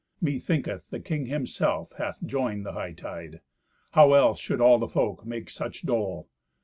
Methinketh the king himself hath joined the hightide. How else should all the folk make such dole.